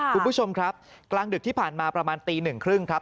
คุณผู้ชมครับกลางดึกที่ผ่านมาประมาณตีหนึ่งครึ่งครับ